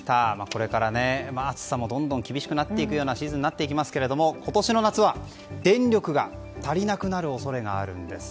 これから暑さもどんどん厳しくなっていくようなシーズンになっていきますが今年の夏は電力が足りなくなる恐れがあるんです。